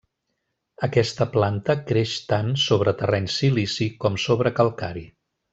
Aquesta planta creix tant sobre terreny silici com sobre calcari.